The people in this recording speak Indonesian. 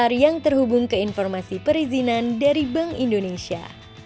pasar yang terhubung ke informasi perizinan dari bank indonesia